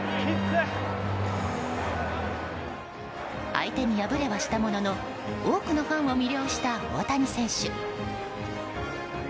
相手に敗れはしたものの多くのファンを魅了した大谷選手。